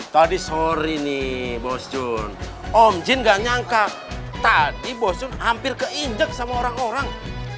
tadi sore nih bos jun om jin gak nyangka tadi bosun hampir keinjek sama orang orang